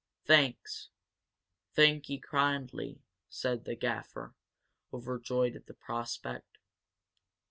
"Thanks, thank'ee kindly," said the Gaffer, overjoyed at the prospect.